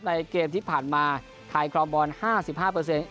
ในเกมที่ผ่านมาไทยคลองบอลห้าสิบห้าเปอร์เซ็นต์